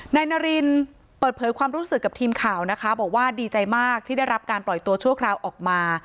นายนารินเปิดเผยความรู้สึกกับทีมข่าวนะคะบอกว่าดีใจมากที่ได้รับการปล่อยตัวชั่วคราวออกมา